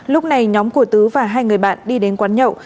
lúc này nhóm của tứ và hai người bạn đi đến quán nhậu